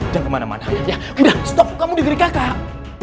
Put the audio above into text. jangan kemana mana ya udah stop kamu diberi kakak